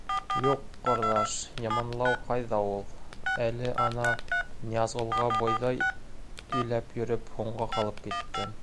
— Юҡ, ҡорҙаш, яманлау ҡайҙа ул. Әле, ана, Ныязғолға бойҙай иләп йөрөп һуңға ҡалып киттем.